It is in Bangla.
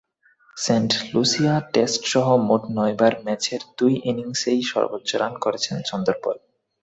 সেন্ট লুসিয়া টেস্টসহ মোট নয়বার ম্যাচের দুই ইনিংসেই সর্বোচ্চ রান করেছেন চন্দরপল।